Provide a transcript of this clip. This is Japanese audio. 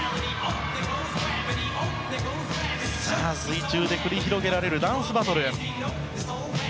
水中で繰り広げられるダンスバトル！